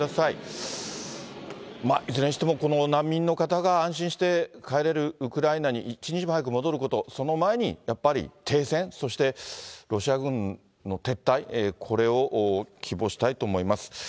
いずれにしてもこの難民の方が安心して帰れるウクライナに、一日も早く戻ること、その前にやっぱり停戦、そしてロシア軍の撤退、これを希望したいと思います。